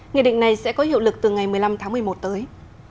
nghị định này sẽ có hiệu lực từ ngày một mươi năm tháng một mươi một tới